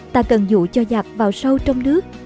ta cần dụ cho giặc vào sâu trong nước